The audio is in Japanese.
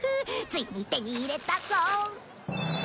ついに手に入れたぞ。